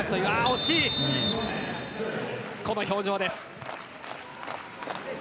惜しい、この表情です。